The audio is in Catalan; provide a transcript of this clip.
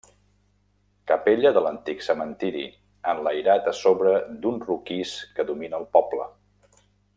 Capella de l'antic cementiri, enlairat a sobre d'un roquís que domina al poble.